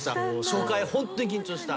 初回ホントに緊張した。